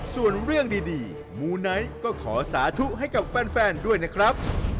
ส่วนเรื่องดีมูไนท์ก็ขอสาธุให้กับแฟนด้วยนะครับ